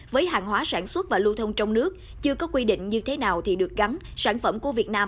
với hàng hóa sản xuất và lưu thông trong nước chưa có quy định như thế nào thì được gắn sản phẩm của việt nam